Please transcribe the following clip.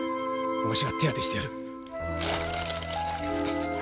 わしが手当てしてやる。